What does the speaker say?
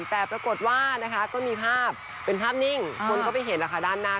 แต่ปรากฏว่านะคะก็มีภาพเป็นภาพนิ่งคนก็ไปเห็นนะคะด้านหน้า